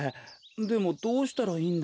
でもどうしたらいいんだ？